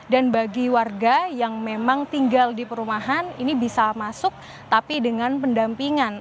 dan bagi warga yang memang tinggal di perumahan ini bisa masuk tapi dengan pendampingan